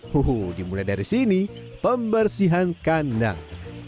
huhu dimulai dari sini pembersihan kandang